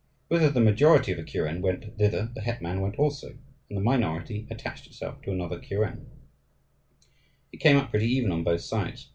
Whither the majority of a kuren went thither the hetman went also; and the minority attached itself to another kuren. It came out pretty even on both sides.